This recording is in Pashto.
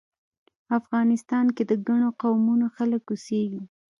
افغانستان کې د ګڼو قومونو خلک اوسیږی